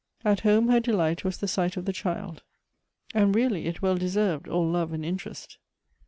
At home her delight was the sight of the child, and really it well deserved all love and interest.